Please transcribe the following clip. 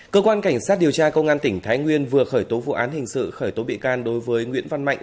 cơ quan cảnh sát điều tra công an tỉnh thái nguyên vừa khởi tố vụ án hình sự khởi tố bị can đối với nguyễn văn mạnh